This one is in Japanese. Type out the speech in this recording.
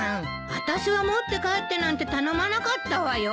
私は持って帰ってなんて頼まなかったわよ。